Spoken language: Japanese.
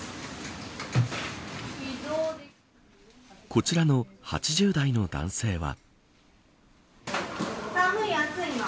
こちらの８０代の男性は。